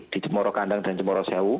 di jemoro kandang dan jemoro sewu